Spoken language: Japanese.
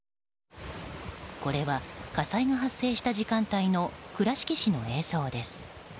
これは火災が発生した時間帯の倉敷市の映像です。